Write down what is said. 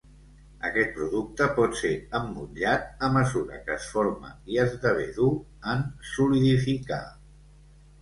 Aquest producte pot ser emmotllat a mesura que es forma i esdevé dur en solidificar.